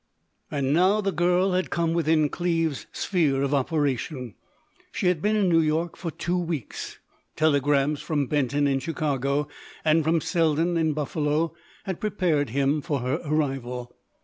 And now the girl had come within Cleves's sphere of operation. She had been in New York for two weeks. Telegrams from Benton in Chicago, and from Selden in Buffalo, had prepared him for her arrival.